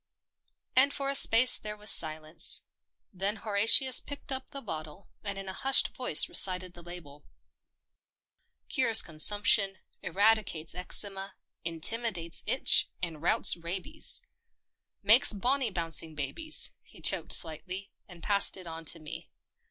And for a space there was silence. Then Horatius picked up the bottle, and in a hushed voice recited the label. " Cures consumption, eradicates eczema, intimidates itch, and routs rabies. Makes bonny bouncing babies." He choked slightly, and passed it on to me.